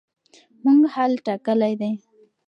موږ حل ټاکلی دی.